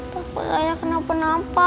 tapi ayah kenapa napa